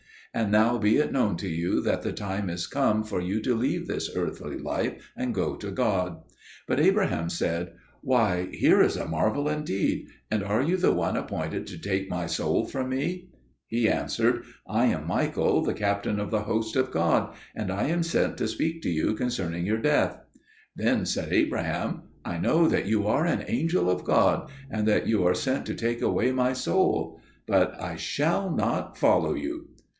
And now be it known to you that the time is come for you to leave this earthly life and go to God." But Abraham said, "Why, here is a marvel indeed! And are you the one appointed to take my soul from me?" He answered, "I am Michael, the captain of the host of God, and I am sent to speak to you concerning your death." Then said Abraham, "I know that you are an angel of God, and that you are sent to take away my soul. But I shall not follow you!"